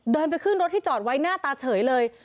เดินไปขึ้นรถที่จอดไว้หน้าตาเฉยเลย